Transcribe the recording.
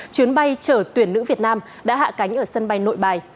chuyến bay chở tuyển nữ việt nam đã hạ cánh ở sân bay nội bài